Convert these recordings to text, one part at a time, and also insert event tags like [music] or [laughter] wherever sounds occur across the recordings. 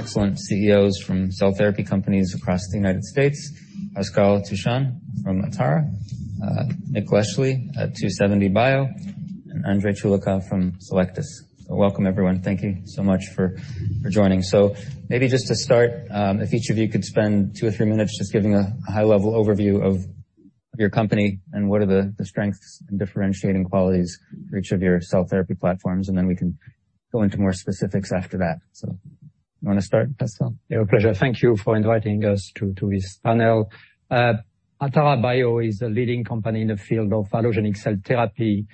Excellent CEOs from cell therapy companies across the United States. Pascal Touchon from Atara, Nick Leschly at 2seventy bio, and André Choulika from Cellectis. Welcome, everyone. Thank you so much for joining. Maybe just to start, if each of you could spend two or three minutes just giving a high-level overview of your company and what are the strengths and differentiating qualities for each of your cell therapy platforms, and then we can go into more specifics after that. You want to start, Pascal? My pleasure. Thank you for inviting us to this panel. Atara Biotherapeutics is a leading company in the field of Allogeneic cell therapy,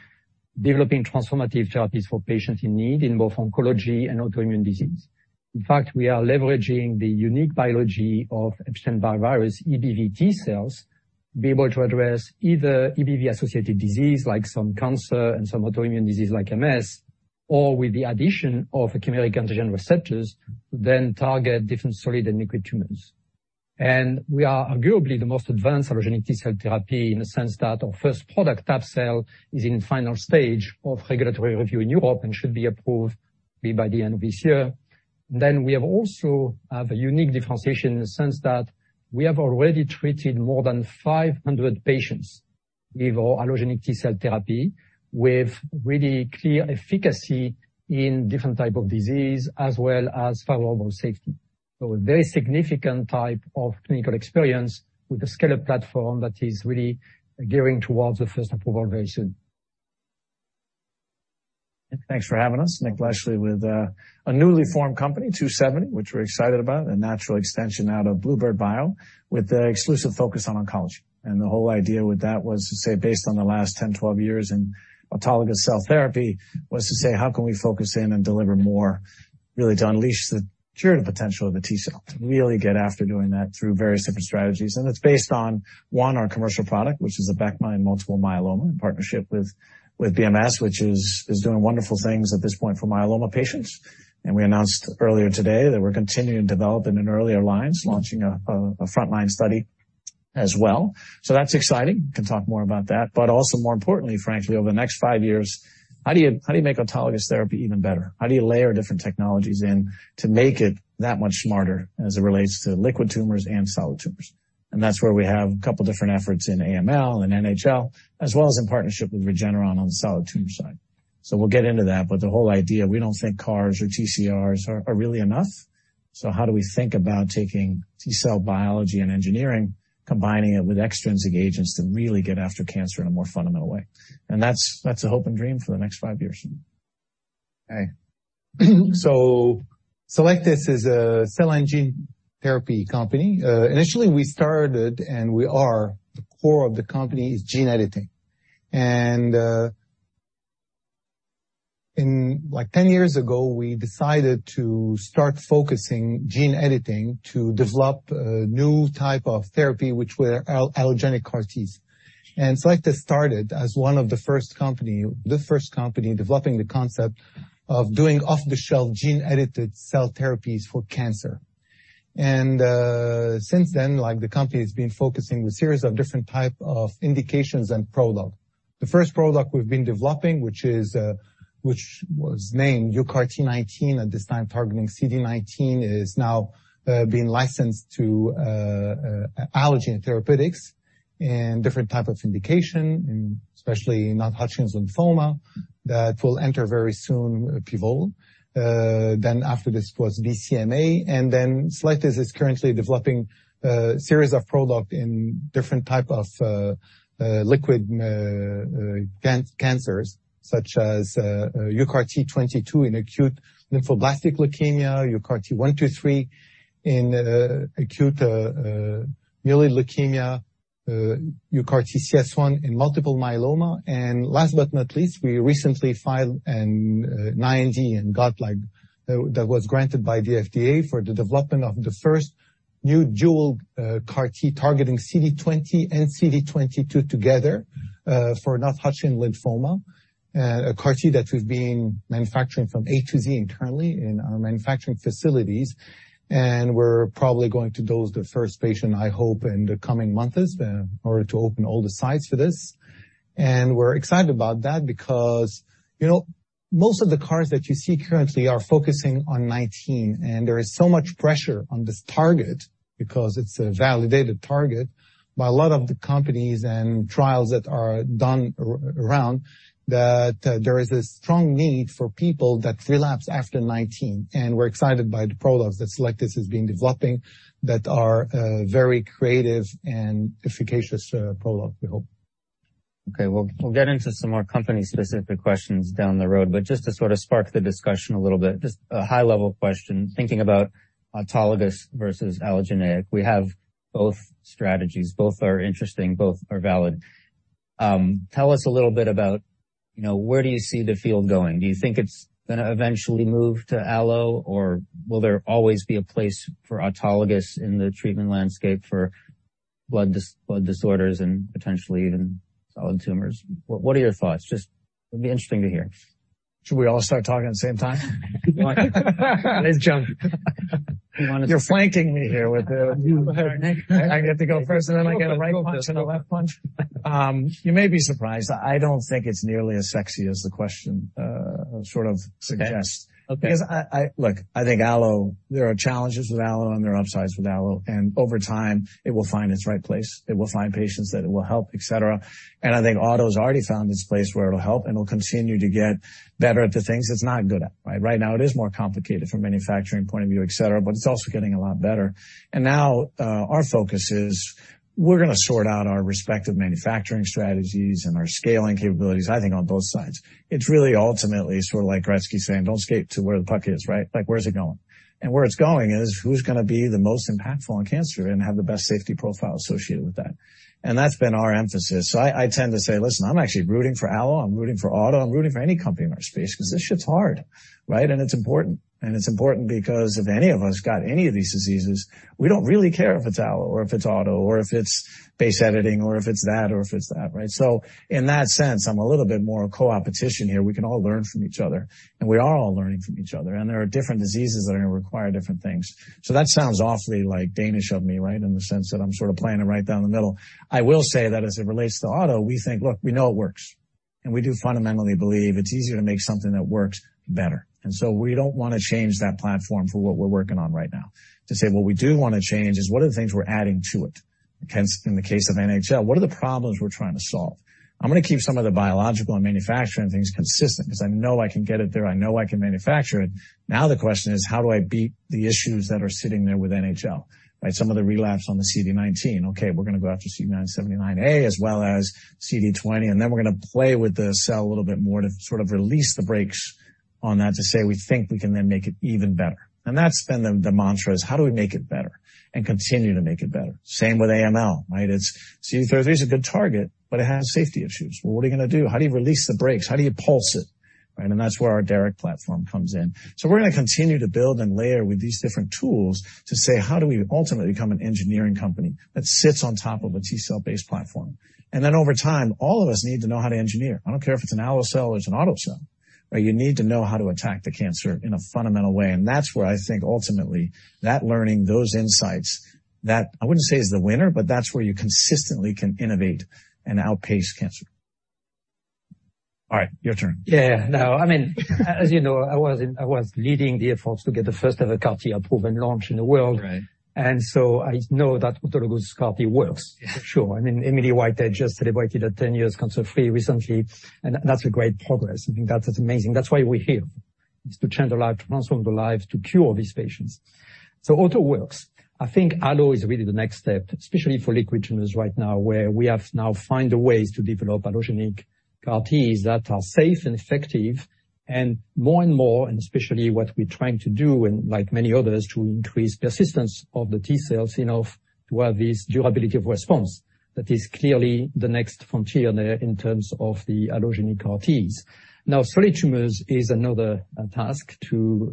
developing transformative therapies for patients in need in both oncology and autoimmune disease. In fact, we are leveraging the unique biology of Epstein-Barr Virus (EBV)T-cells to be able to address either EBV associated disease like some cancer and some autoimmune disease like MS, or with the addition of chimeric antigen receptors, then target different solid and liquid tumors. We are arguably the most advanced Allogeneic T-cell therapy in the sense that our first product, Tab-cel, is in final stage of regulatory review in Europe and should be approved maybe by the end of this year. We also have a unique differentiation in the sense that we have already treated more than 500 patients with our Allogeneic T-cell therapy with really clear efficacy in different type of disease as well as favorable safety. A very significant type of clinical experience with a scaled platform that is really gearing towards the first approval very soon. Thanks for having us. Nick Leschly with a newly formed company, 2seventy bio, which we're excited about, a natural extension out of bluebird bio with an exclusive focus on oncology. The whole idea with that was to say, based on the last 10, 12 years in Autologous cell therapy, how can we focus in and deliver more, really to unleash the curative potential of the T-cell, to really get after doing that through various different strategies. It's based on one, our commercial product, which is Abecma in multiple myeloma in partnership with BMS, which is doing wonderful things at this point for myeloma patients. We announced earlier today that we're continuing development in earlier lines, launching a frontline study as well. That's exciting. Can talk more about that, but also more importantly, frankly, over the next five years, how do you make Autologous therapy even better? How do you layer different technologies in to make it that much smarter as it relates to liquid tumors and solid tumors? That's where we have a couple different efforts in AML and NHL, as well as in partnership with Regeneron on the solid tumor side. We'll get into that. The whole idea, we don't think CARs or TCRs are really enough. How do we think about taking T-cell biology and engineering, combining it with extrinsic agents to really get after cancer in a more fundamental way? That's the hope and dream for the next five years. Okay. Cellectis is a cell and gene therapy company. Initially we started, and we are, the core of the company is gene editing. Like 10 years ago, we decided to start focusing gene editing to develop a new type of therapy, which were Allogeneic CAR-Ts. Cellectis started as one of the first company—the first company developing the concept of doing off-the-shelf gene-edited cell therapies for cancer. Like, the company has been focusing a series of different type of indications and product. The first product we've been developing, which is, which was named UCART19 at this time targeting CD19, is now, being licensed to, Allogene Therapeutics and different type of indication, and especially non-Hodgkin's lymphoma that will enter very soon pivotal. After this was BCMA, and then Cellectis is currently developing a series of products in different types of liquid cancers such as UCART22 in acute lymphoblastic leukemia, UCART123 in acute myeloid leukemia, UCARTCS1 in multiple myeloma. Last but not least, we recently filed an IND and got, like, that was granted by the FDA for the development of the first new dual CAR-T targeting CD20 and CD22 together for non-Hodgkin's lymphoma. A CAR-T that we've been manufacturing from A to Z internally in our manufacturing facilities. We're probably going to dose the first patient, I hope, in the coming months in order to open all the sites for this. We're excited about that because, you know, most of the CARs that you see currently are focusing on CD19, and there is so much pressure on this target because it's a validated target by a lot of the companies and trials that are done around, that there is a strong need for people that relapse after CD19. We're excited by the products that Cellectis has been developing that are very creative and efficacious product, we hope. Okay, we'll get into some more company-specific questions down the road. But just to sort of spark the discussion a little bit, just a high-level question, thinking about Autologous versus Allogeneic. We have both strategies. Both are interesting, both are valid. Tell us a little bit about, you know, where do you see the field going? Do you think it's gonna eventually move to Allo, or will there always be a place for Autologous in the treatment landscape for blood disorders and potentially even solid tumors? What are your thoughts? Just it'd be interesting to hear. Should we all start talking at the same time? Let's jump. [crosstalk] You're flanking me here with, I have to go first, and then I get a right punch and a left punch. You may be surprised. I don't think it's nearly as sexy as the question, sort of suggests. Ok Look, I think Allo, there are challenges with Allo and there are upsides with Allo, and over time it will find its right place. It will find patients that it will help, etc. I think Auto's already found its place where it'll help, and it'll continue to get better at the things it's not good at, right? Right now it is more complicated from a manufacturing point of view, etc., but it's also getting a lot better. Now, our focus is we're gonna sort out our respective manufacturing strategies and our scaling capabilities, I think on both sides. It's really ultimately sort of like Gretzky saying, "Don't skate to where the puck is," right? Like, where's it going? Where it's going is who's gonna be the most impactful in cancer and have the best safety profile associated with that? That's been our emphasis. I tend to say, "Listen, I'm actually rooting for Allo, I'm rooting for Auto, I'm rooting for any company in our space 'cause this is hard, right?" It's important. It's important because if any of us got any of these diseases, we don't really care if it's Allo or if it's Auto or if it's base editing or if it's that or if it's that, right? In that sense, I'm a little bit more co-opetition here. We can all learn from each other, and we are all learning from each other, and there are different diseases that are gonna require different things. That sounds awfully like Danish of me, right? In the sense that I'm sort of playing it right down the middle. I will say that as it relates to Auto, we think, "Look, we know it works." We do fundamentally believe it's easier to make something that works better. We don't wanna change that platform for what we're working on right now. To say what we do wanna change is what are the things we're adding to it. Hence, in the case of NHL, what are the problems we're trying to solve? I'm gonna keep some of the biological and manufacturing things consistent 'cause I know I can get it there, I know I can manufacture it. Now the question is how do I beat the issues that are sitting there with NHL, right? Some of the relapse on the CD19. Okay, we're gonna go after CD79A as well as CD20, and then we're gonna play with the cell a little bit more to sort of release the brakes on that to say we think we can then make it even better. That's been the mantra, how do we make it better and continue to make it better? Same with AML, right? It's CD33 is a good target, but it has safety issues. Well, what are you gonna do? How do you release the brakes? How do you pulse it, right? That's where our DARIC platform comes in. We're gonna continue to build and layer with these different tools to say how do we ultimately become an engineering company that sits on top of a T-cell based platform. Then over time, all of us need to know how to engineer. I don't care if it's an Allo cell or it's an Auto cell. Right? You need to know how to attack the cancer in a fundamental way. That's where I think ultimately that learning, those insights, that I wouldn't say is the winner, but that's where you consistently can innovate and outpace cancer. All right, your turn. Yeah. No, I mean, as you know, I was leading the efforts to get the first-ever CAR-T approved and launched in the world. Right. I know that Autologous CAR-T works. Yeah. For sure. I mean, Emily Whitehead just celebrated her 10 years cancer-free recently, and that's a great progress. I think that is amazing. That's why we're here, is to change the lives, transform the lives, to cure these patients. Auto works. I think Allo is really the next step, especially for liquid tumors right now, where we have now found the ways to develop Allogeneic CAR-Ts that are safe and effective. More and more, and especially what we're trying to do, and like many others, to increase persistence of the T-cells, you know, to have this durability of response. That is clearly the next frontier there in terms of the Allogeneic CAR-Ts. Now, solid tumors is another task to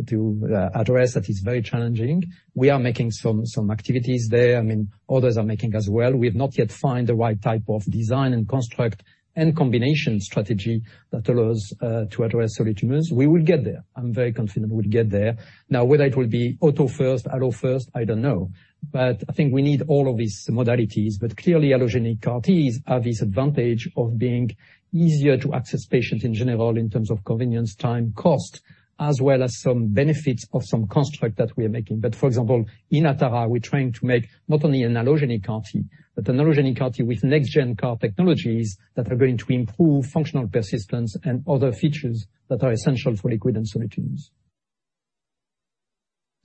address that is very challenging. We are making some activities there. I mean, others are making as well. We have not yet find the right type of design and construct and combination strategy that allows to address solid tumors. We will get there. I'm very confident we'll get there. Now, whether it will be auto first, Allo first, I don't know. I think we need all of these modalities. Clearly Allogeneic CAR-Ts have this advantage of being easier to access patients in general in terms of convenience, time, cost, as well as some benefits of some construct that we are making. For example, in Atara, we're trying to make not only an Allogeneic CAR-T, but an Allogeneic CAR-T with next gen CAR technologies that are going to improve functional persistence and other features that are essential for liquid and solid tumors.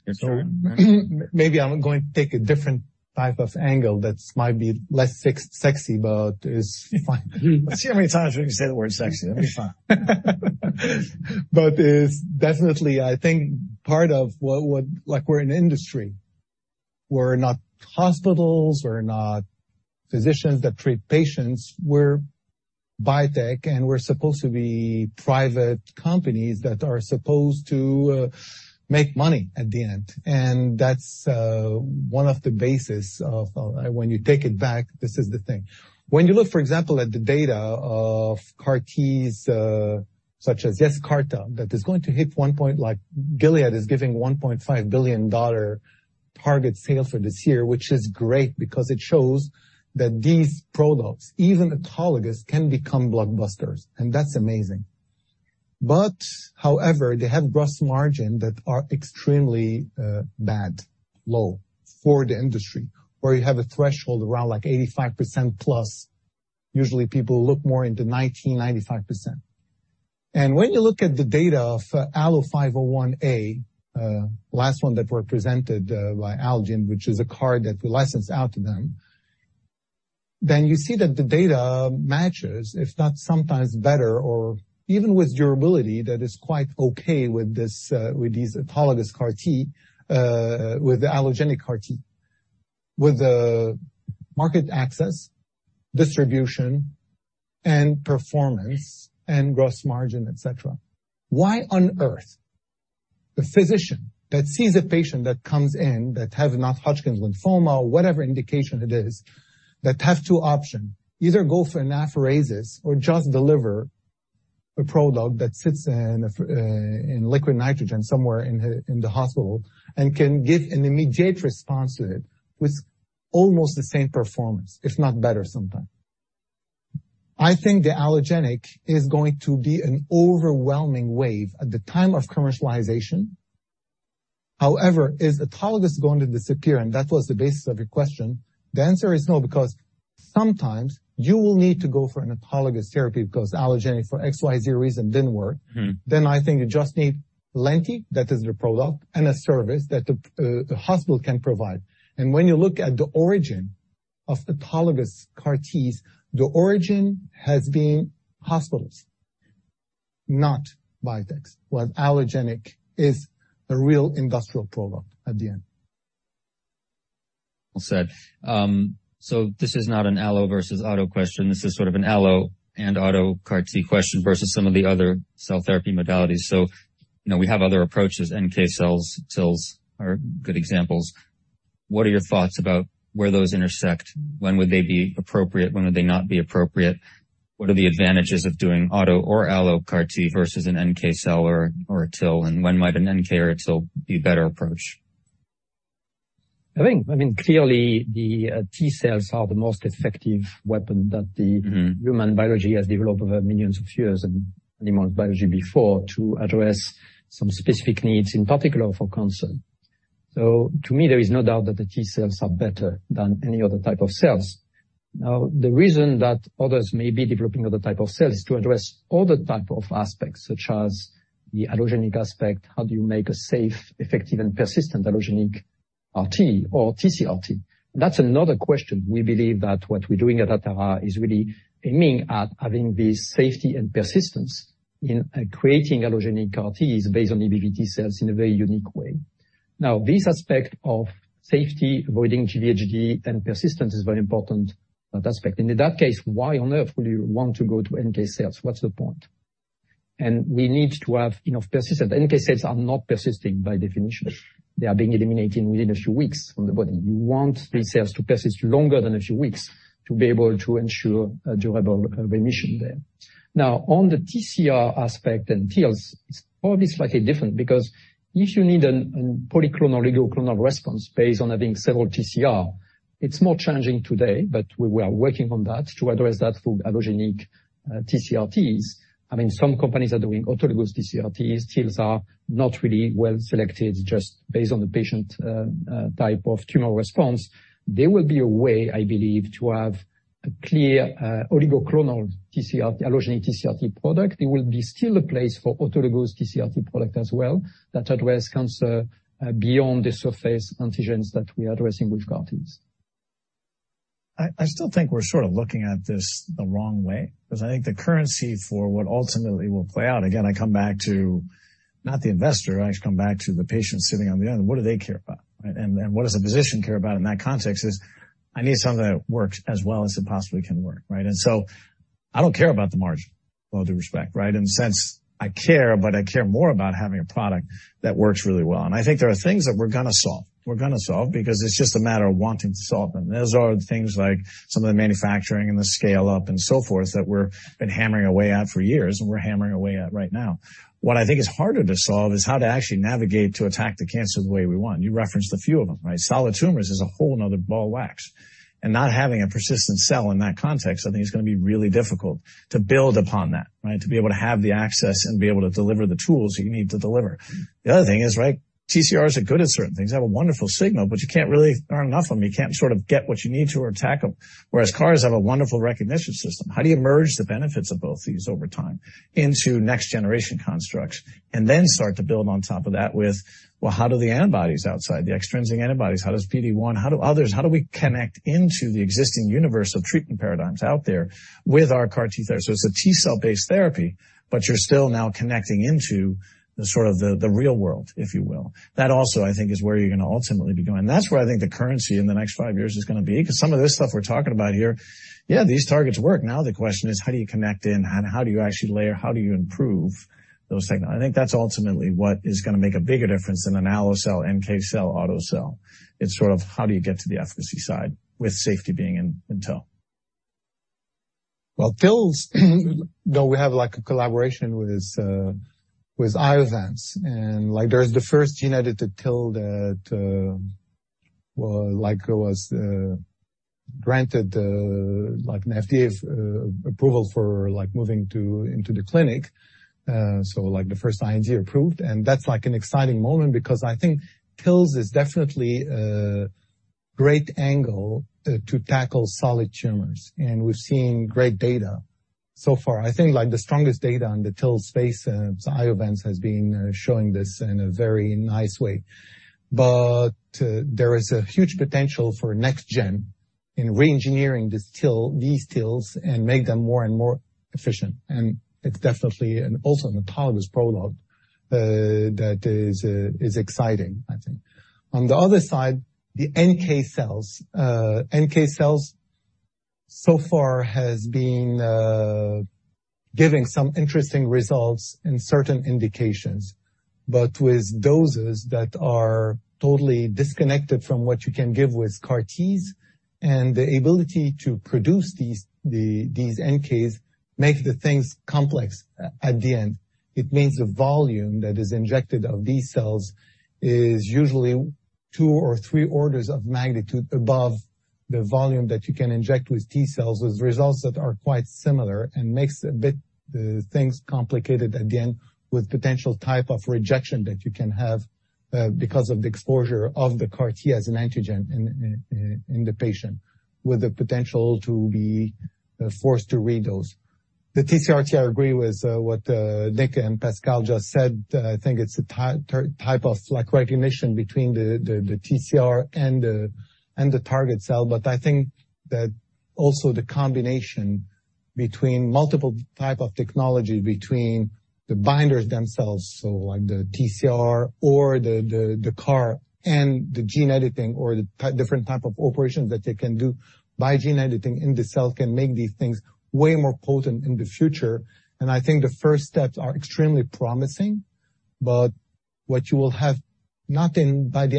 That's right. Maybe I'm going to take a different type of angle that might be less sexy, but it's fine. Let's see how many times we can say the word sexy. That'd be fun. It's definitely, I think, part of what. Like, we're an industry. We're not hospitals. We're not physicians that treat patients. We're biotech, and we're supposed to be private companies that are supposed to make money at the end. That's one of the basis of when you take it back, this is the thing. When you look, for example, at the data of CAR-Ts, such as Yescarta, like Gilead is giving $1.5 billion target sales for this year, which is great because it shows that these products, even autologous, can become blockbusters, and that's amazing. However, they have gross margin that are extremely bad, low for the industry, where you have a threshold around like 85%+. Usually people look more into 90%-95%. When you look at the data of ALLO-501A, last one that were presented by Allogene, which is a CAR that we licensed out to them, then you see that the data matches, if not sometimes better, or even with durability that is quite okay with this, with these Autologous CAR-T, with the Allogeneic CAR-T. With the market access, distribution, and performance and gross margin, etc., why on earth the physician that sees a patient that comes in that have non-Hodgkin's lymphoma or whatever indication it is that have two option, either go for an apheresis or just deliver a product that sits in liquid nitrogen somewhere in the hospital and can give an immediate response to it with almost the same performance, if not better sometimes. I think the Allogeneic is going to be an overwhelming wave at the time of commercialization. However, is Autologous going to disappear? That was the basis of your question. The answer is no, because sometimes you will need to go for an Autologous therapy because Allogeneic for XYZ reason didn't work. Mm-hmm. I think you just need lenti, that is your product, and a service that the hospital can provide. When you look at the origin of Autologous CAR-Ts, the origin has been hospitals, not biotechs. While Allogeneic is a real industrial product at the end. Well said. This is not an Allo versus auto question. This is sort of an Allo and Auto CAR-T question versus some of the other cell therapy modalities. You know, we have other approaches, NK cells, TILS are good examples. What are your thoughts about where those intersect? When would they be appropriate? When would they not be appropriate? What are the advantages of doing auto or Allo CAR-T versus an NK cell or a TIL? When might an NK or a TIL be a better approach? I think, I mean, clearly the T-cells are the most effective weapon that the human biology has developed over millions of years, and animal biology before, to address some specific needs, in particular for cancer. To me, there is no doubt that the T-cells are better than any other type of cells. Now, the reason that others may be developing other type of cells is to address other type of aspects, such as the Allogeneic aspect. How do you make a safe, effective, and persistent Allogeneic CAR-T or TCR-T? That's another question. We believe that what we're doing at Atara is really aiming at having this safety and persistence in creating Allogeneic CAR-Ts based on EBV T-cells in a very unique way. Now, this aspect of safety, avoiding GvHD and persistence is very important aspect. In that case, why on earth would you want to go to NK cells? What's the point? We need to have enough persistence. NK cells are not persisting by definition. They are being eliminated within a few weeks from the body. You want these cells to persist longer than a few weeks to be able to ensure a durable remission there. Now, on the TCR aspect and TILS, it's probably slightly different because if you need an polyclonal or oligoclonal response based on having several TCR, it's more challenging today, but we are working on that to address that for Allogeneic TCRTs. I mean, some companies are doing autologous TCRTs. TILS are not really well selected just based on the patient type of tumor response. There will be a way, I believe, to have a clear oligoclonal TCR Allogeneic TCRT product. There will be still a place for autologous TCRT product as well that address cancer beyond the surface antigens that we are addressing with CAR-Ts. I still think we're sort of looking at this the wrong way, because I think the currency for what ultimately will play out, again, I come back to not the investor, I just come back to the patient sitting on the other end. What do they care about, right? What does the physician care about in that context is I need something that works as well as it possibly can work, right? I don't care about the margin, with all due respect, right? In a sense, I care, but I care more about having a product that works really well. I think there are things that we're gonna solve. We're gonna solve because it's just a matter of wanting to solve them. Those are things like some of the manufacturing and the scale-up and so forth that we're been hammering away at for years, and we're hammering away at right now. What I think is harder to solve is how to actually navigate to attack the cancer the way we want. You referenced a few of them, right? Solid tumors is a whole another ball of wax. Not having a persistent cell in that context, I think, is gonna be really difficult to build upon that, right? To be able to have the access and be able to deliver the tools you need to deliver. The other thing is, right, TCRs are good at certain things, have a wonderful signal, but you can't really. There aren't enough of them. You can't sort of get what you need to or tackle, whereas CARs have a wonderful recognition system. How do you merge the benefits of both these over time into next generation constructs and then start to build on top of that with? Well, how do the antibodies outside, the extrinsic antibodies, how does PD-1, how do others, how do we connect into the existing universe of treatment paradigms out there with our CAR-T therapy? It's a T-cell-based therapy, but you're still now connecting into the sort of the real world, if you will. That also, I think, is where you're going to ultimately be going. That's where I think the currency in the next five years is going to be, because some of this stuff we're talking about here, yeah, these targets work. Now the question is, how do you connect in and how do you actually layer? How do you improve those technologies? I think that's ultimately what is going to make a bigger difference than an Allo cell, NK cell, Auto cell. It's sort of how do you get to the efficacy side with safety being in tow? Well, TILs, though we have like a collaboration with Iovance, and like there is the first gene-edited TIL that, like was, granted, like an FDA approval for like moving into the clinic. Like the first IND approved, and that's like an exciting moment because I think TILs is definitely a great angle, to tackle solid tumors, and we've seen great data so far. I think like the strongest data on the TILs space, Iovance has been showing this in a very nice way. There is a huge potential for next gen in re-engineering these TILs and make them more and more efficient. It's definitely also an autologous product, that is exciting, I think. On the other side, the NK cells. NK cells so far have been giving some interesting results in certain indications, but with doses that are totally disconnected from what you can give with CAR-Ts. The ability to produce these NKs makes things complex at the end. It means the volume that is injected of these cells is usually two or three orders of magnitude above the volume that you can inject with T-cells, as results that are quite similar and makes things a bit complicated again, with potential type of rejection that you can have, because of the exposure of the CAR-T as an antigen in the patient with the potential to be forced to read those. The TCR-T, I agree with what Nick and Pascal just said. I think it's a type of like recognition between the TCR and the target cell. I think that also the combination between multiple type of technology, between the binders themselves, so like the TCR or the CAR and the gene editing or the different type of operations that they can do by gene editing in the cell can make these things way more potent in the future. I think the first steps are extremely promising. What you will have not in 10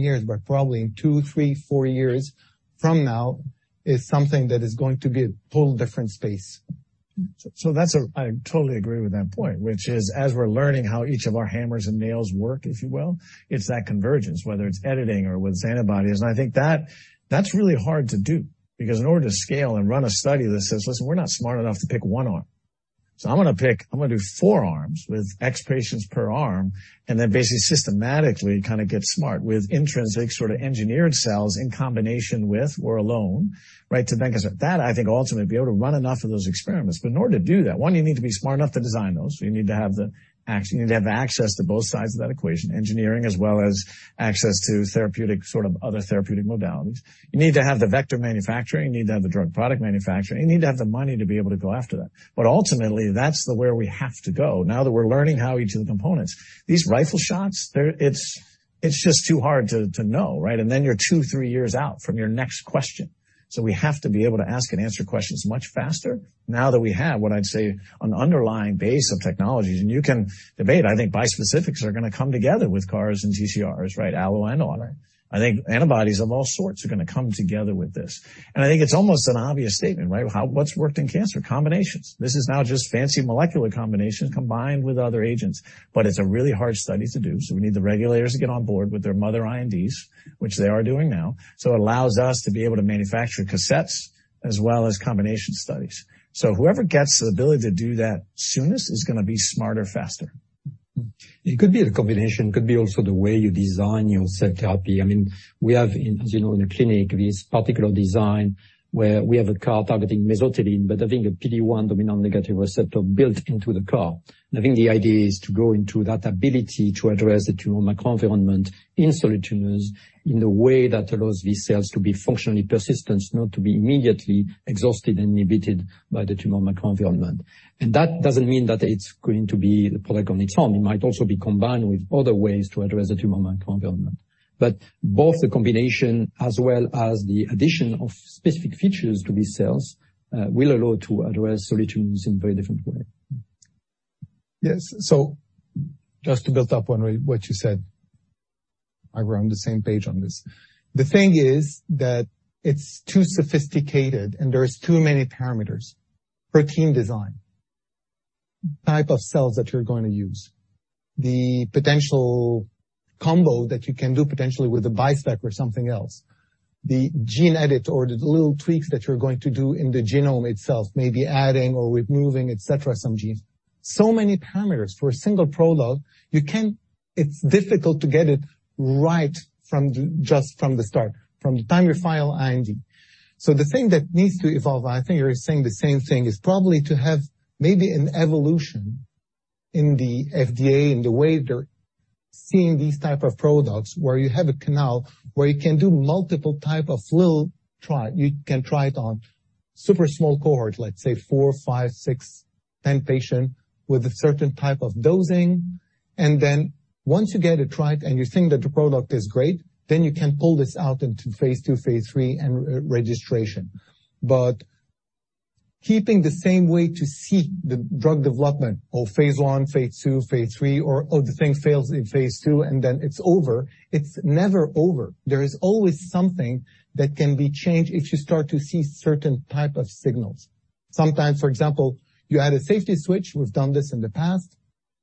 years, but probably in two, three, four years from now, is something that is going to be a whole different space. I totally agree with that point, which is, as we're learning how each of our hammers and nails work, if you will, it's that convergence, whether it's editing or with antibodies. I think that's really hard to do, because in order to scale and run a study that says, "Listen, we're not smart enough to pick one arm, so I'm gonna pick, I'm gonna do four arms with X patients per arm," and then basically systematically kind of get smart with intrinsic sort of engineered cells in combination with or alone, right? To then because that I think ultimately be able to run enough of those experiments. In order to do that, one, you need to be smart enough to design those. You need to have access to both sides of that equation, engineering as well as access to therapeutic sort of other therapeutic modalities. You need to have the vector manufacturing, you need to have the drug product manufacturing, you need to have the money to be able to go after that. Ultimately, that's where we have to go. Now that we're learning how each of the components, these rifle shots, it's just too hard to know, right? Then you're 2-3 years out from your next question. We have to be able to ask and answer questions much faster now that we have what I'd say an underlying base of technologies. You can debate, I think bispecifics are going to come together with CARs and TCRs, right? Allo and Auto. I think antibodies of all sorts are going to come together with this. I think it's almost an obvious statement, right? What's worked in cancer? Combinations. This is now just fancy molecular combinations combined with other agents. It's a really hard study to do. We need the regulators to get on board with their master INDs, which they are doing now. It allows us to be able to manufacture cassettes as well as combination studies. Whoever gets the ability to do that soonest is going to be smarter faster. It could be the combination, could be also the way you design your cell therapy. I mean, we have in, as you know, in the clinic, this particular design where we have a CAR targeting mesothelin, but having a PD-1 dominant negative receptor built into the CAR. I think the idea is to go into that ability to address the tumor microenvironment in solid tumors in a way that allows these cells to be functionally persistent, not to be immediately exhausted, inhibited by the tumor microenvironment. That doesn't mean that it's going to be the product on its own. It might also be combined with other ways to address the tumor microenvironment. Both the combination as well as the addition of specific features to these cells, will allow to address solid tumors in very different way. Yes. Just to build up on what you said, are we on the same page on this? The thing is that it's too sophisticated and there's too many parameters. Protein design, type of cells that you're going to use, the potential combo that you can do potentially with a bispecific or something else, the gene edit or the little tweaks that you're going to do in the genome itself, maybe adding or removing, et cetera, some genes. Many parameters for a single product, you can. It's difficult to get it right from just the start, from the time you file IND. The thing that needs to evolve, I think you're saying the same thing, is probably to have maybe an evolution in the FDA in the way they're seeing these type of products, where you have a channel where you can do multiple type of little trial. You can try it on super small cohort, let's say four, five, six, 10 patient with a certain type of dosing. Then once you get it right and you think that the product is great, then you can pull this out into Phase 2, Phase 3, and registration. Keeping the same way to see the drug development of Phase 1, Phase 2, Phase 3, or the thing fails in Phase 2, and then it's over. It's never over. There is always something that can be changed if you start to see certain type of signals. Sometimes, for example, you add a safety switch, we've done this in the past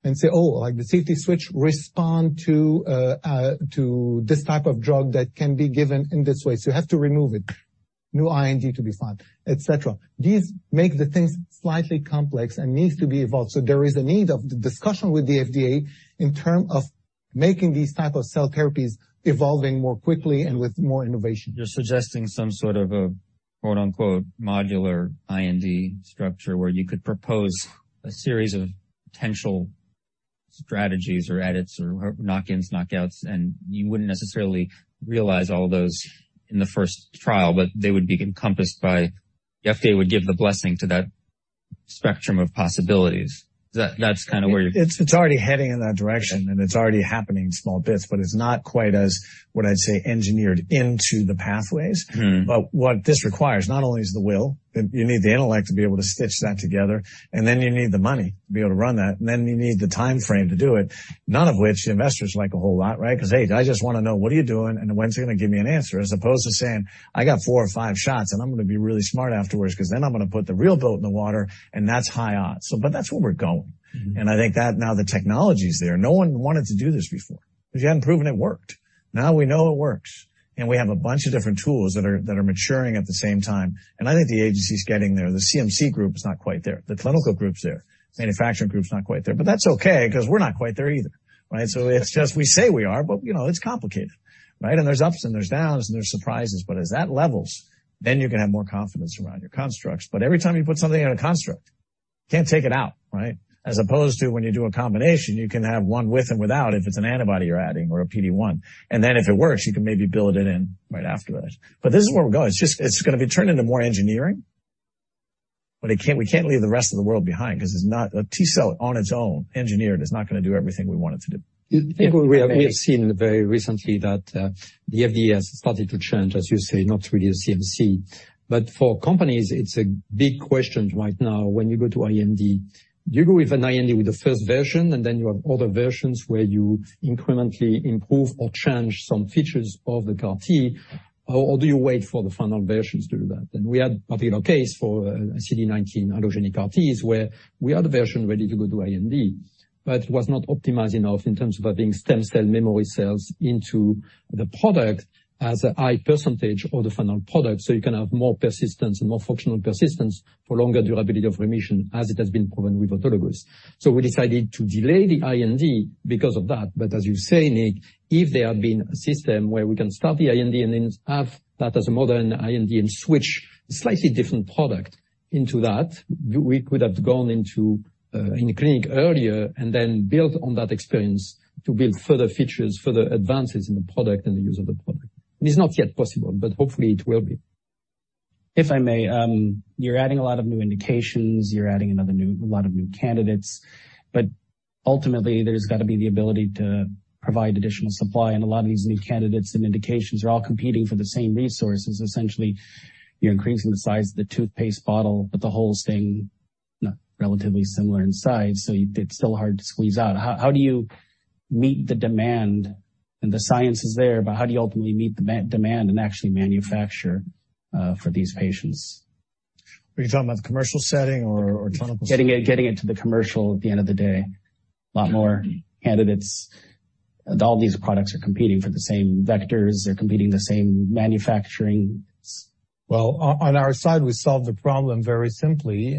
and say, "Oh, like the safety switch respond to this type of drug that can be given in this way, so you have to remove it." New IND to be filed, etc. These make the things slightly complex and needs to be evolved. There is a need of discussion with the FDA in term of making these type of cell therapies evolving more quickly and with more innovation. You're suggesting some sort of a quote-unquote, "modular IND structure" where you could propose a series of potential strategies or edits or knock-ins, knockouts, and you wouldn't necessarily realize all those in the first trial, but they would be encompassed by. The FDA would give the blessing to that spectrum of possibilities. That's kind of where you're. It's already heading in that direction, and it's already happening in small bits, but it's not quite as what I'd say, engineered into the pathways of what this requires not only is the will. Mm-hmm. You need the intellect to be able to stitch that together, and then you need the money to be able to run that, and then you need the timeframe to do it. None of which the investors like a whole lot, right? 'Cause, "Hey, I just want to know what are you doing and when's it going to give me an answer?" As opposed to saying, "I got four or five shots and I'm going to be really smart afterwards because then I'm going to put the real boat in the water and that's high odds." That's where we're going. Mm-hmm. I think that now the technology is there. No one wanted to do this before because you hadn't proven it worked. Now we know it works, and we have a bunch of different tools that are maturing at the same time. I think the agency's getting there. The CMC group is not quite there. The clinical group's there. Manufacturing group's not quite there, but that's okay because we're not quite there either, right? It's just we say we are, but, you know, it's complicated, right? There's ups and there's downs and there's surprises. As that levels, then you can have more confidence around your constructs. Every time you put something in a construct, you can't take it out, right? As opposed to when you do a combination, you can have one with and without if it's an antibody you're adding or a PD-1. Then if it works, you can maybe build it in right afterwards. This is where we're going. It's just it's gonna be turned into more engineering. It can't, we can't leave the rest of the world behind because it's not a T-cell on its own. Engineered, it's not gonna do everything we want it to do. I think we have seen very recently that the FDA has started to change, as you say, not really a CMC, but for companies, it's a big question right now when you go to IND. Do you go with an IND with the first version, and then you have other versions where you incrementally improve or change some features of the CAR-T? Or do you wait for the final versions to do that? We had a particular case for CD19 Allogeneic CAR-T, where we had a version ready to go to IND, but it was not optimized enough in terms of putting stem cell memory cells into the product as a high percentage of the final product, so you can have more persistence and more functional persistence for longer durability of remission, as it has been proven with Autologous. We decided to delay the IND because of that. As you say, Nick, if there had been a system where we can start the IND and then have that as a modern IND and switch slightly different product into that, we could have gone into the clinic earlier and then built on that experience to build further features, further advances in the product and the use of the product. It is not yet possible, but hopefully it will be. If I may, you're adding a lot of new indications, a lot of new candidates, but ultimately, there's got to be the ability to provide additional supply. A lot of these new candidates and indications are all competing for the same resources. Essentially, you're increasing the size of the toothpaste bottle, but the whole thing, you know, relatively similar in size, so it's still hard to squeeze out. How do you meet the demand? The science is there, but how do you ultimately meet the demand and actually manufacture for these patients? Are you talking about the commercial setting or clinical setting? Getting it to the commercial at the end of the day. A lot more candidates. All these products are competing for the same vectors. They're competing for the same manufacturing. Well, on our side, we solve the problem very simply.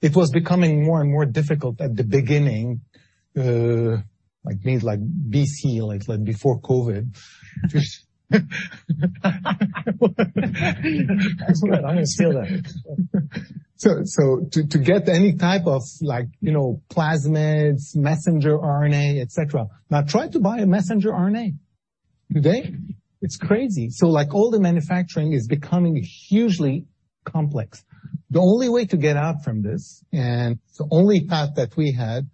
It was becoming more and more difficult at the beginning, like, I mean, like B.C., like before COVID. That's good. I'm gonna steal that. To get any type of like, you know, plasmids, messenger RNA, etc. Now, try to buy a messenger RNA today. It's crazy. Like, all the manufacturing is becoming hugely complex. The only way to get out from this, and the only path that we had,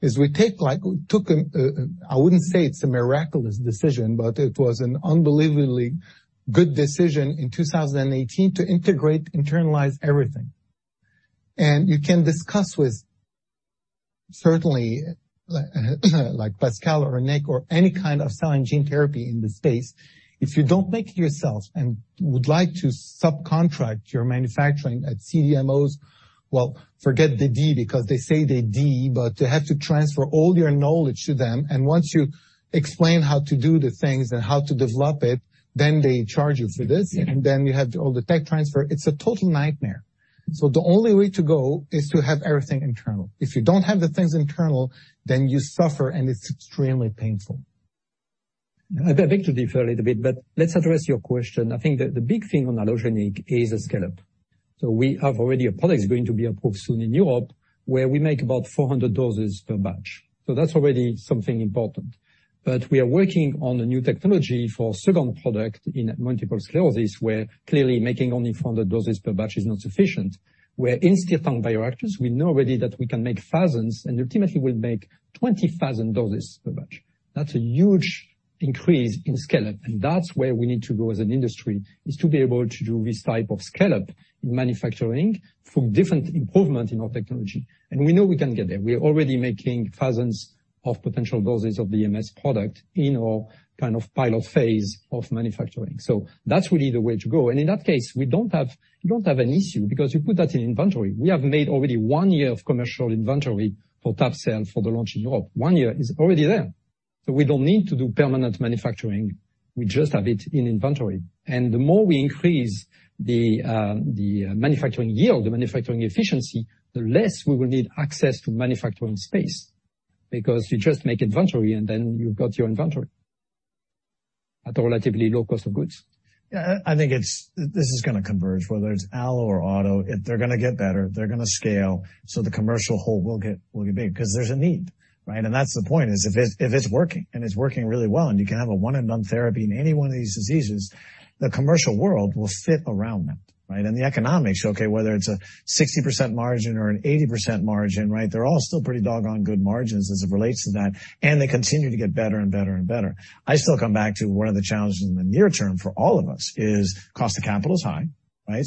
is we took an, I wouldn't say it's a miraculous decision, but it was an unbelievably good decision in 2018 to integrate, internalize everything. You can discuss with certainly, like Pascal or Nick or any kind of cell and gene therapy in the space. If you don't make it yourself and would like to subcontract your manufacturing at CDMOs, well, forget the D because they say they D, but you have to transfer all your knowledge to them. Once you explain how to do the things and how to develop it, then they charge you for this, and then you have all the tech transfer. It's a total nightmare. The only way to go is to have everything internal. If you don't have the things internal, then you suffer, and it's extremely painful. I'd like to differ a little bit, but let's address your question. I think the big thing on Allogeneic is a scale-up. We have already a product that's going to be approved soon in Europe, where we make about 400 doses per batch. That's already something important. We are working on a new technology for a second product in multiple sclerosis, where clearly making only 400 doses per batch is not sufficient. We're investing in bioreactors. We know already that we can make thousands, and ultimately we'll make 20,000 doses per batch. That's a huge increase in scale-up, and that's where we need to go as an industry, is to be able to do this type of scale-up in manufacturing from different improvements in our technology. We know we can get there. We are already making thousands of potential doses of the MS product in our kind of pilot phase of manufacturing. That's really the way to go. In that case, we don't have an issue because you put that in inventory. We have made already one year of commercial inventory for Tab-cel for the launch in Europe. One year is already there. We don't need to do permanent manufacturing. We just have it in inventory. The more we increase the manufacturing yield, the manufacturing efficiency, the less we will need access to manufacturing space because you just make inventory, and then you've got your inventory at a relatively low cost of goods. Yeah, I think this is gonna converge, whether it's Allo or Auto, they're gonna get better, they're gonna scale, so the commercial hole will get big because there's a need, right? That's the point is if it's working and it's working really well, and you can have a one and done therapy in any one of these diseases, the commercial world will fit around that, right? The economics, okay, whether it's a 60% margin or an 80% margin, right? They're all still pretty doggone good margins as it relates to that, and they continue to get better and better and better. I still come back to one of the challenges in the near term for all of us is cost of capital is high, right?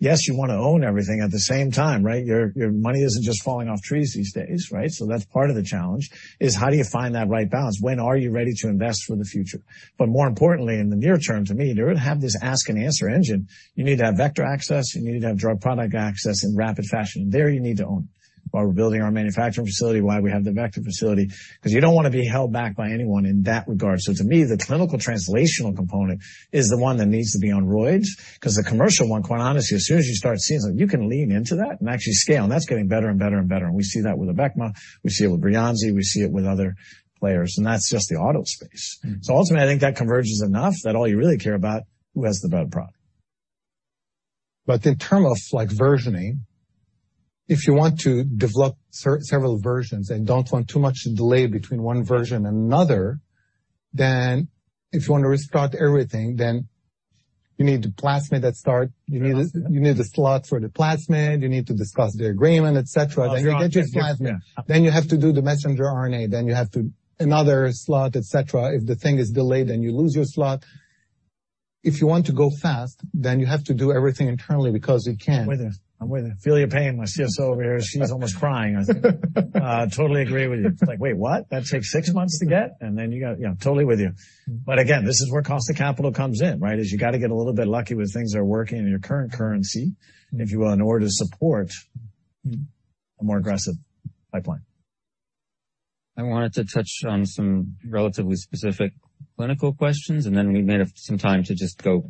Yes, you want to own everything at the same time, right? Your money isn't just falling off trees these days, right? That's part of the challenge is how do you find that right balance? When are you ready to invest for the future? More importantly, in the near term, to me, to have this ask and answer engine, you need to have vector access, you need to have drug product access in rapid fashion. There you need to own. Why we're building our manufacturing facility, why we have the vector facility, 'cause you don't want to be held back by anyone in that regard. To me, the clinical translational component is the one that needs to be on roids, 'cause the commercial one, quite honestly, as soon as you start seeing something, you can lean into that and actually scale, and that's getting better and better and better. We see that with Abecma, we see it with Breyanzi, we see it with other players, and that's just the autologous space. Ultimately, I think that converges enough that all you really care about, who has the better product. In terms of like versioning, if you want to develop several versions and don't want too much delay between one version and another, then if you want to restart everything, then you need the plasmid that start. You need the slot for the plasmid. You need to discuss the agreement, etc. Then you get your plasmid, then you have to do the messenger RNA, then you have to another slot, etc. If the thing is delayed, then you lose your slot. If you want to go fast, then you have to do everything internally because you can't. I'm with you. I'm with you. I feel your pain. My CSO over here, she's almost crying. I totally agree with you. It's like, wait, what? That takes six months to get, and then you got. Yeah, I'm totally with you. Again, this is where cost of capital comes in, right? You got to get a little bit lucky with things that are working in your current currency, if you will, in order to support a more aggressive pipeline. I wanted to touch on some relatively specific clinical questions, and then we may have some time to just go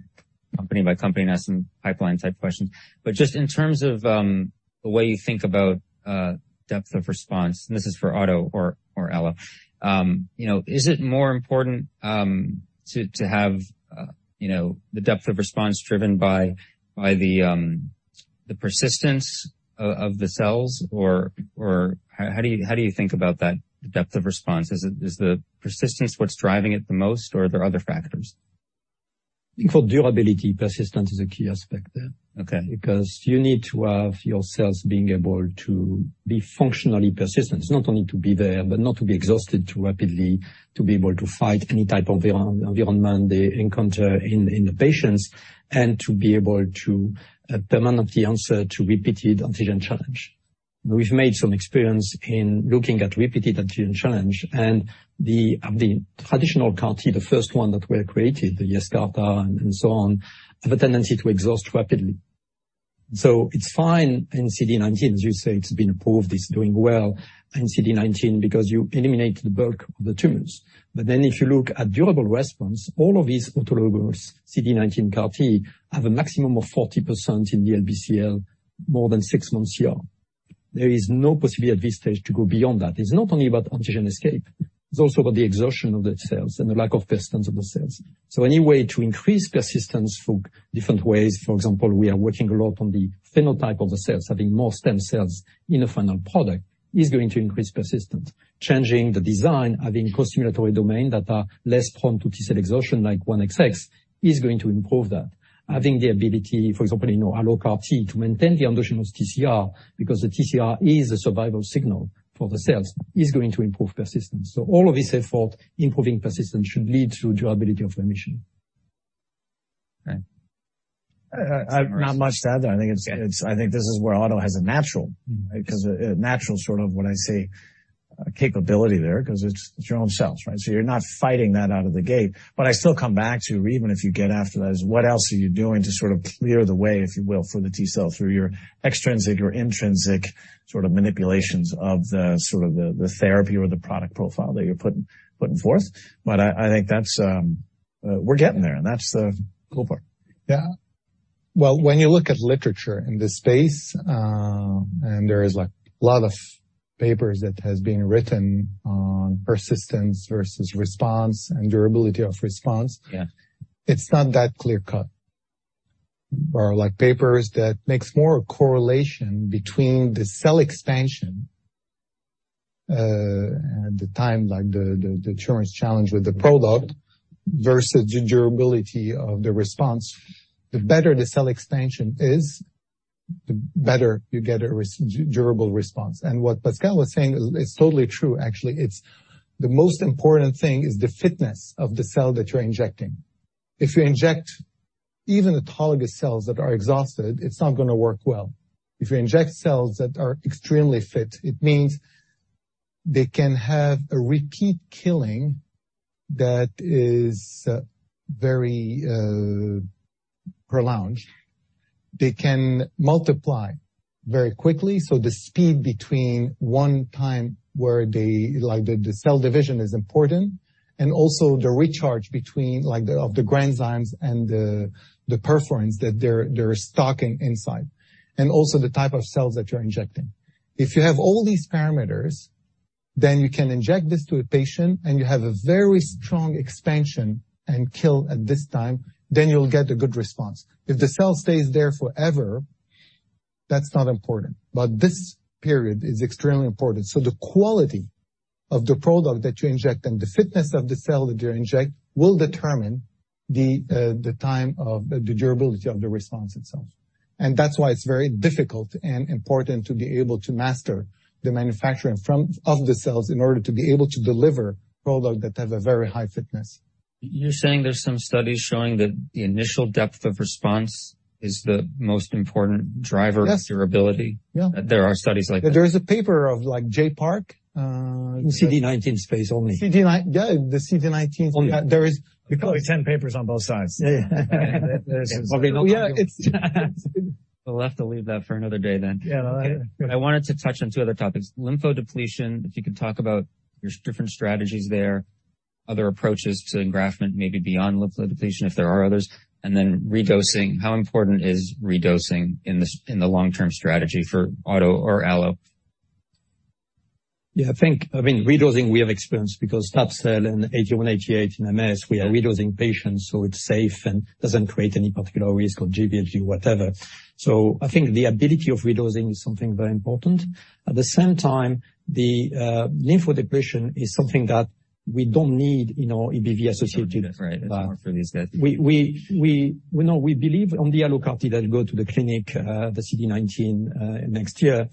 company by company and ask some pipeline type questions. Just in terms of the way you think about depth of response, and this is for Auto or Allo. You know, is it more important to have you know, the depth of response driven by the persistence of the cells or how do you think about that, the depth of response? Is the persistence what's driving it the most or are there other factors? I think for durability, persistence is a key aspect there. Okay. Because you need to have your cells being able to be functionally persistent. It's not only to be there, but not to be exhausted too rapidly, to be able to fight any type of environment they encounter in the patients, and to be able to permanently answer to repeated antigen challenge. We've made some experience in looking at repeated antigen challenge and the traditional CAR-T, the first one that were created, the Yescarta and so on, have a tendency to exhaust rapidly. It's fine in CD19, as you say, it's been approved, it's doing well in CD19 because you eliminate the bulk of the tumors. If you look at durable response, all of these autologous CD19 CAR T have a maximum of 40% in the LBCL more than six months here. There is no possibility at this stage to go beyond that. It's not only about antigen escape, it's also about the exhaustion of the cells and the lack of persistence of the cells. Any way to increase persistence through different ways. For example, we are working a lot on the phenotype of the cells. Having more stem cells in a final product is going to increase persistence. Changing the design of co-stimulatory domain that are less prone to T-cell exhaustion like 1XX is going to improve that. Having the ability for example in our Allo CAR-T to maintain the function of TCR, because the TCR is a survival signal for the cells, is going to improve persistence. All of this effort improving persistence should lead to durability of remission. Okay. Not much to add there. I think this is where auto has a natural, right? Because a natural sort of when I say capability there, 'cause it's your own cells, right? So you're not fighting that out of the gate. What I still come back to, even if you get after that, is what else are you doing to sort of clear the way, if you will, for the T-cell through your extrinsic or intrinsic sort of manipulations of the sort of the therapy or the product profile that you're putting forth. I think that's, we're getting there and that's the cool part. Yeah. Well, when you look at literature in this space, and there is like a lot of papers that has been written on persistence versus response and durability of response. Yeah. It's not that clear-cut. Like papers that makes more correlation between the cell expansion at the time, like the in vivo challenge with the product versus the durability of the response. The better the cell expansion is, the better you get a durable response. What Pascal was saying is totally true, actually. It's the most important thing is the fitness of the cell that you're injecting. If you inject even autologous cells that are exhausted, it's not gonna work well. If you inject cells that are extremely fit, it means they can have a repeat killing that is very prolonged. They can multiply very quickly, so the speed between one time where they like the cell division is important and also the recharge between like of the granzymes and the perforins that they're stocking inside, and also the type of cells that you're injecting. If you have all these parameters, then you can inject this to a patient, and you have a very strong expansion and kill at this time, then you'll get a good response. If the cell stays there forever, that's not important. This period is extremely important. The quality of the product that you inject and the fitness of the cell that you inject will determine the time of the durability of the response itself. That's why it's very difficult and important to be able to master the manufacturing of the cells in order to be able to deliver product that have a very high fitness. You're saying there's some studies showing that the initial depth of response is the most important driver? Yes. Of durability? Yeah. There are studies like that. There is a paper of, like, Jae Park. In CD19 space only. Yeah, the CD19. There is. There's probably 10 papers on both sides. Yeah. We'll have to leave that for another day then. Yeah. I wanted to touch on two other topics. Lymphodepletion, if you could talk about there's different strategies there, other approaches to engraftment, maybe beyond lymphodepletion, if there are others, and then redosing? How important is redosing in the long-term strategy for Auto or Allo? Yeah, I think, I mean, redosing we have experience because that cell in ATA188, in MS, we are redosing patients, so it's safe and doesn't create any particular risk of GvHD, whatever. I think the ability of redosing is something very important. At the same time, the lymphodepletion is something that we don't need in our EBV associated. That's right. We, you know, we believe on the Allo CAR-T that will go to the clinic, the CD19, next year.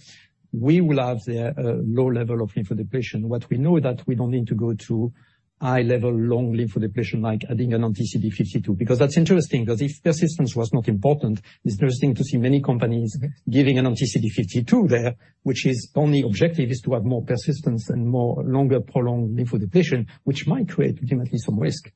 We will have the low level of lymphodepletion. What we know is that we don't need to go to high level long lymphodepletion like adding an anti-CD52, because that's interesting, because if persistence was not important, it's interesting to see many companies giving an anti-CD52 there, which is only objective, is to have more persistence and more longer prolonged lymphodepletion, which might create potentially some risk,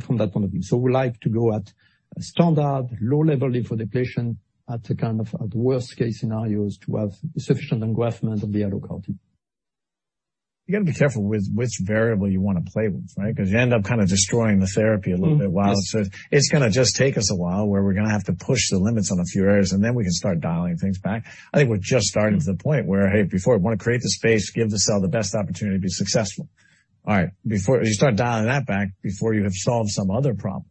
from that point of view. We like to go at standard low level lymphodepletion at the kind of worst case scenarios to have sufficient engraftment of the Allo CAR-T. You got to be careful with which variable you want to play with, right? Because you end up kind of destroying the therapy a little bit. It's going to just take us a while where we're going to have to push the limits on a few areas, and then we can start dialing things back. I think we're just getting to the point where, hey, before I want to create the space, give the cell the best opportunity to be successful. All right, before you start dialing that back, before you have solved some other problem,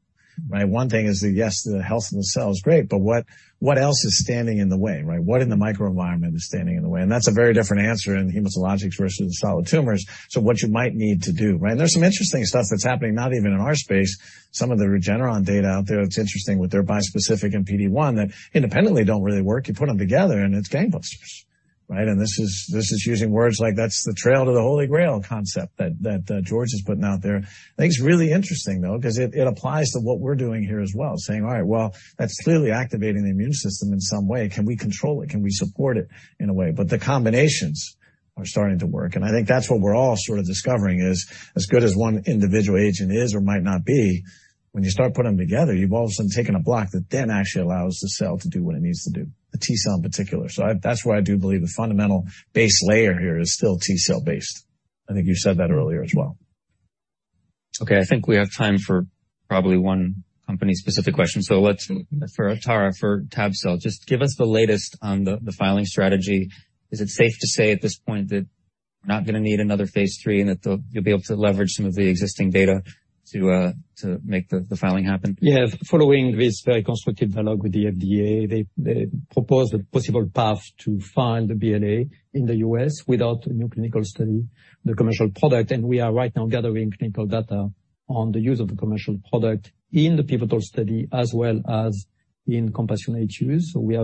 right? One thing is that, yes, the health of the cell is great, but what else is standing in the way, right? What in the microenvironment is standing in the way? That's a very different answer in hematologic versus solid tumors. What you might need to do, right? There's some interesting stuff that's happening, not even in our space. Some of the Regeneron data out there, it's interesting with their bispecific and PD-1 that independently don't really work. You put them together and it's gangbusters, right? This is using words like that's the trail to the Holy Grail concept that George is putting out there. I think it's really interesting though, 'cause it applies to what we're doing here as well, saying, all right, well, that's clearly activating the immune system in some way. Can we control it? Can we support it in a way? The combinations are starting to work, and I think that's what we're all sort of discovering is as good as one individual agent is or might not be, when you start putting them together, you've all of a sudden taken a block that then actually allows the cell to do what it needs to do, the T-cell in particular. That's why I do believe the fundamental base layer here is still T-cell based. I think you said that earlier as well. Okay, I think we have time for probably one company specific question. For Atara, for Tab-cel, just give us the latest on the filing strategy. Is it safe to say at this point that we're not going to need another Phase 3 and that you'll be able to leverage some of the existing data to make the filing happen? Yeah. Following this very constructive dialogue with the FDA, they proposed a possible path to file the BLA in the U.S. without a new clinical study, the commercial product. We are right now gathering clinical data on the use of the commercial product in the pivotal study as well as in compassionate use. We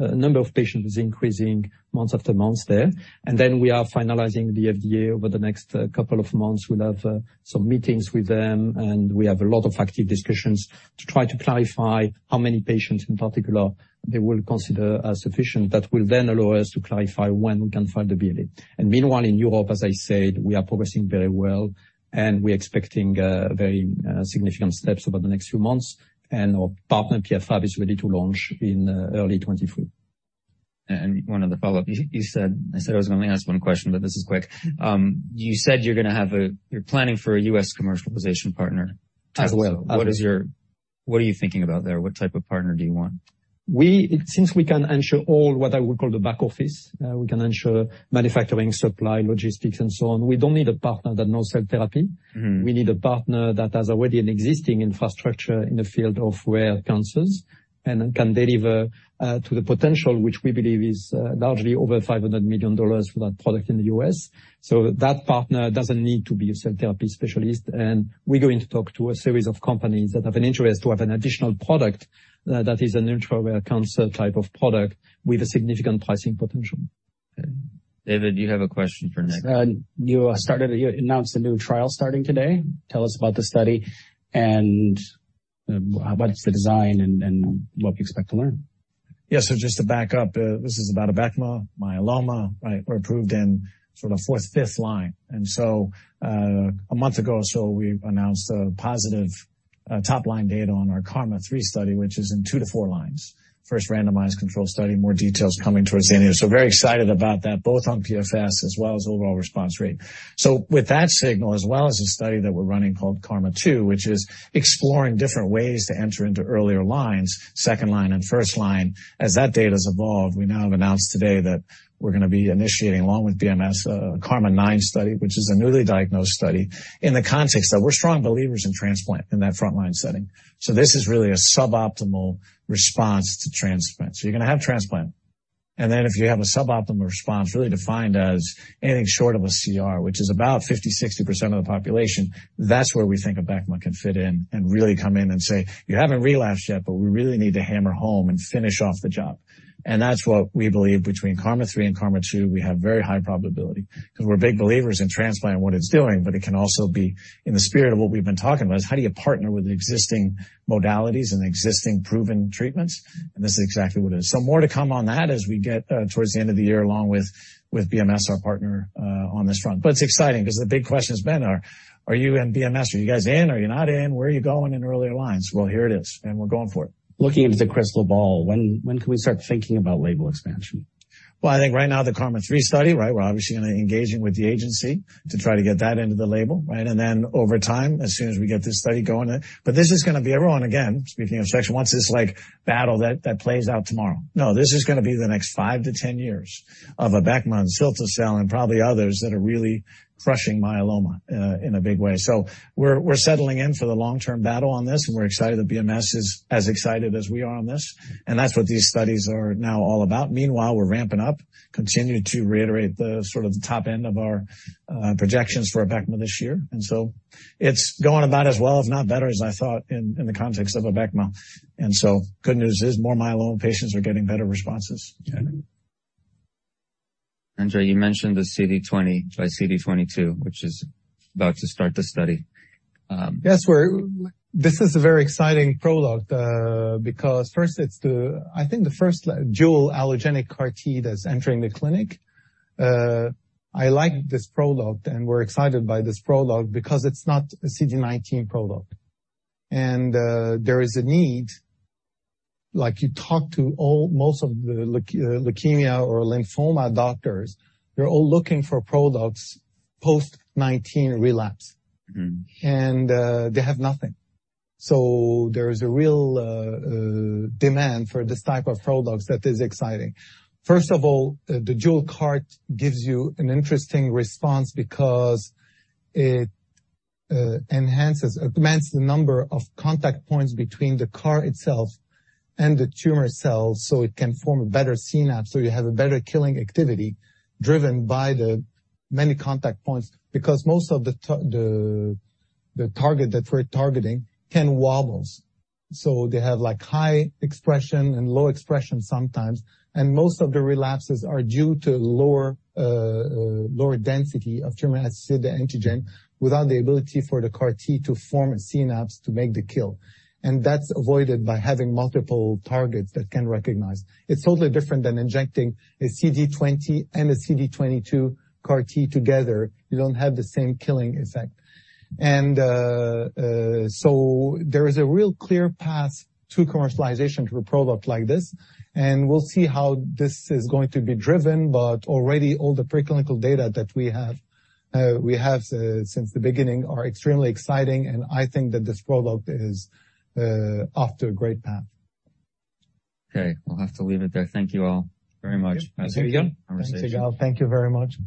have a number of patients increasing month after month there. We are finalizing with the FDA over the next couple of months. We'll have some meetings with them, and we have a lot of active discussions to try to clarify how many patients in particular they will consider as sufficient. That will then allow us to clarify when we can file the BLA. Meanwhile in Europe, as I said, we are progressing very well and we're expecting very significant steps over the next few months. Our partner, Pierre Fabre, is ready to launch in early 2023. One other follow-up. I said I was going to ask one question, but this is quick. You're planning for a U.S. commercialization partner as well. What are you thinking about there? What type of partner do you want? Since we can ensure all what I would call the back office, we can ensure manufacturing, supply, logistics and so on, we don't need a partner that knows cell therapy. Mm-hmm. We need a partner that has already an existing infrastructure in the field of rare cancers and can deliver to the potential which we believe is largely over $500 million for that product in the U.S. That partner doesn't need to be a cell therapy specialist. We're going to talk to a series of companies that have an interest to have an additional product that is a neutral rare cancer type of product with a significant pricing potential. Okay. David, you have a question for Nick? You announced a new trial starting today. Tell us about the study and what's the design and what you expect to learn. Yeah. Just to back up, this is about Abecma, myeloma, right, or approved in sort of fourth, fifth line. A month ago or so, we announced a positive top line data on our KarMMa-3 study, which is in two to four lines. First randomized controlled study. More details coming towards the end. Very excited about that, both on PFS as well as overall response rate. With that signal, as well as a study that we're running called KarMMa-2, which is exploring different ways to enter into earlier lines, second line and first line, as that data's evolved, we now have announced today that we're going to be initiating along with BMS, KarMMa-9 study, which is a newly diagnosed study in the context that we're strong believers in transplant in that frontline setting. This is really a suboptimal response to transplant. You're going to have transplant. Then if you have a suboptimal response really defined as anything short of a CR, which is about 50%, 60% of the population, that's where we think Abecma can fit in and really come in and say, "You haven't relapsed yet, but we really need to hammer home and finish off the job." That's what we believe between KarMMa-3 and KarMMa-2, we have very high probability because we're big believers in transplant and what it's doing. It can also be in the spirit of what we've been talking about is how do you partner with existing modalities and existing proven treatments? This is exactly what it is. More to come on that as we get towards the end of the year, along with with BMS, our partner, on this front. It's exciting because the big question has been, are you and BMS, are you guys in? Are you not in? Where are you going in earlier lines? Well, here it is, and we're going for it. Looking into the crystal ball, when can we start thinking about label expansion? Well, I think right now the KarMMa-3 study, right? We're obviously gonna engage with the agency to try to get that into the label, right? And then over time, as soon as we get this study going. But this is gonna be a run. Again, speaking of the session, once the battle that plays out tomorrow. No, this is gonna be the next 5-10 years of Abecma and Cilta-cel and probably others that are really crushing myeloma in a big way. We're settling in for the long-term battle on this, and we're excited that BMS is as excited as we are on this, and that's what these studies are now all about. Meanwhile, we're ramping up, continuing to reiterate sort of the top end of our projections for Abecma this year, and so it's going about as well, if not better, as I thought in the context of Abecma. Good news is more myeloma patients are getting better responses. André, you mentioned the CD20 by CD22, which is about to start the study. Yes, this is a very exciting product, because first, I think it's the first dual Allogeneic CAR-T that's entering the clinic. I like this product, and we're excited by this product because it's not a CD19 product. There is a need. Like, you talk to most of the leukemia or lymphoma doctors, they're all looking for products post-19 relapse. Mm-hmm. They have nothing. There is a real demand for this type of products that is exciting. First of all, the dual CAR-T gives you an interesting response because it enhances, augments the number of contact points between the CAR itself and the tumor cells, so it can form a better synapse, so you have a better killing activity driven by the many contact points. Because most of the target that we're targeting can wobbles. They have, like, high expression and low expression sometimes. Most of the relapses are due to lower density of tumor-associated antigen without the ability for the CAR-T to form a synapse to make the kill. That's avoided by having multiple targets that can recognize. It's totally different than injecting a CD20 and a CD22 CAR-T together. You don't have the same killing effect. There is a real clear path to commercialization for a product like this, and we'll see how this is going to be driven. Already all the preclinical data that we have since the beginning are extremely exciting, and I think that this product is off to a great path. Okay. We'll have to leave it there. Thank you all very much. Thank you. Have a good conversation. Thank you, Yigal Nochomovitz. Thank you very much.